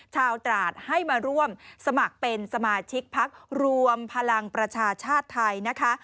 ตราดให้มาร่วมสมัครเป็นสมาชิกพักรวมพลังประชาชาติไทยนะคะ